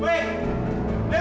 buang kemah kau